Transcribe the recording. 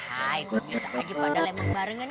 nah itu bisa lagi pada lembaran